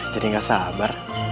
jadi gak sabar